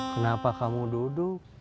kenapa kamu duduk